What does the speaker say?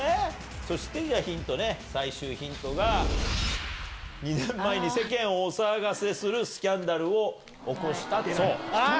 そして、最終最終ヒントね、最終ヒントが、２年前に世間をお騒がせするスキャンダルを起こした人。